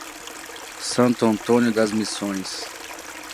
Santo Antônio das Missões